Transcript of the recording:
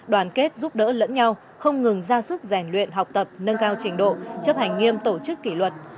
đoàn kết giúp đỡ lẫn nhau không ngừng ra sức rèn luyện học tập nâng cao trình độ chấp hành nghiêm tổ chức kỷ luật